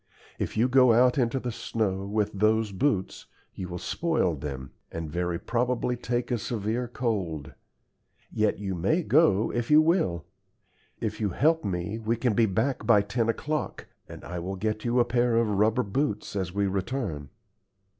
If you go out into the snow with those boots, you will spoil them, and very probably take a severe cold. Yet you may go if you will. If you help me we can be back by ten o'clock, and I will get you a pair of rubber boots as we return."